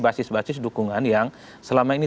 basis basis dukungan yang selama ini